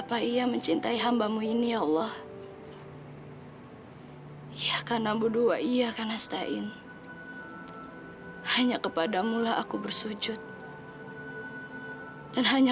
sampai jumpa di video selanjutnya